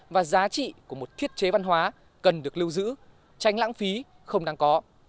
và giá trị của một thiết chế văn hóa cần được lưu giữ tránh lãng phí không đáng có